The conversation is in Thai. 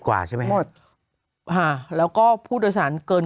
กว่าใช่ไหมหมดหลักแล้วก็ผู้โดยศาลเกิน